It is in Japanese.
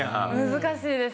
難しいです。